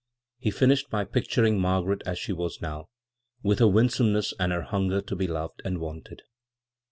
He finbhed by picturing Margaret as she was now, with her winsomeness and her hunger to be loved and " wanted."